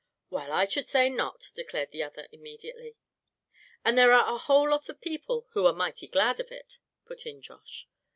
"Well, I should say not," declared the other, immediately. "And there are a whole lot of people who are mighty glad of it," put in Josh.